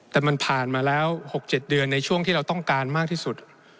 แต่มันผ่านมาแล้ว๖๗เดือนในช่วงที่เราต้องการมากที่สุด